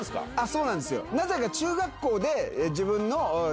そうなんですよ。